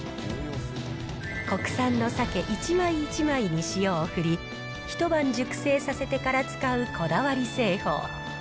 国産の鮭、一枚一枚に塩を振り、一晩熟成させてから使うこだわり製法。